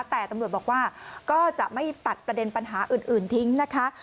แต่ตำรวจบอกว่าก็จะไม่ตัดประเด็นปัญหาอื่นทิ้งนะคะ